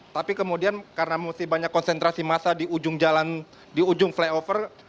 tapi kemudian karena mesti banyak konsentrasi massa di ujung jalan di ujung flyover